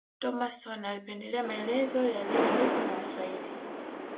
Thomason alipendelea maelezo yaliyoandikwa na waswahili